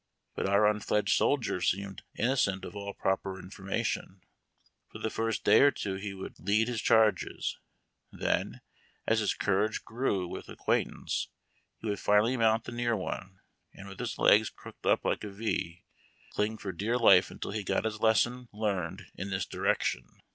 But our unfledged soldier seemed innocent of all proper information. For the first day or two he would lead his charges ; then, as his courage grew with acquaintance, he would finally mount the near one, and, with his legs crooked up like a V, cling for dear life until he got his lesson learned in this direction.